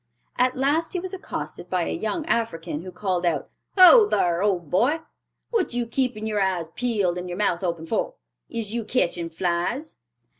At last he was accosted by a young African, who called out, "Ho, thar, old boy! What you keepin' yer eyes peeled and yer' mouth open for? Is you catchin' flies?"